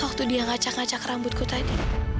waktu dia ngacak ngacak rambutku tadi